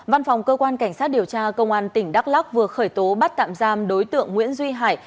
văn phòng cơ quan cảnh sát điều tra công an tỉnh đắk lắc vừa khởi tố bắt tạm giam đối tượng nguyễn duy hải